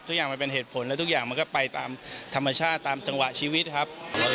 ทุกอย่างมันเป็นเหตุผลแล้วทุกอย่างมันก็ไปตามธรรมชาติตามจังหวะชีวิตครับ